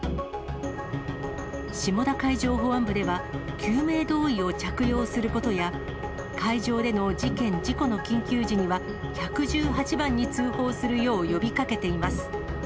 下田海上保安部では、救命胴衣を着用することや、海上での事件、事故の緊急時には１１８番に通報するよう呼びかけています。